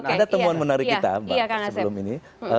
ada temuan menarik kita mbak sebelum ini